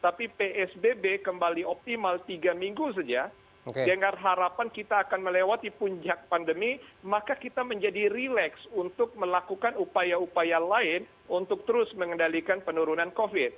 tapi psbb kembali optimal tiga minggu saja dengan harapan kita akan melewati puncak pandemi maka kita menjadi relax untuk melakukan upaya upaya lain untuk terus mengendalikan penurunan covid